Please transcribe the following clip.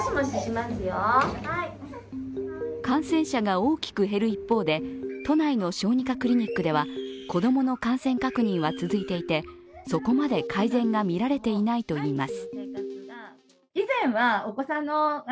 感染者が大きく減る一方で都内の小児科クリニックでは子供の感染確認は続いていてそこまで改善がみられていないといいます。